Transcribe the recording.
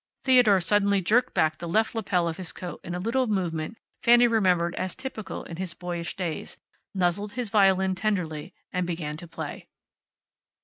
Theodore suddenly jerked back the left lapel of his coat in a little movement Fanny remembered as typical in his boyish days, nuzzled his violin tenderly, and began to play.